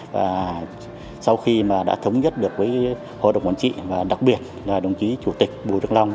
và sau khi mà đã thống nhất được với hội đồng quản trị và đặc biệt là đồng chí chủ tịch bùi đức long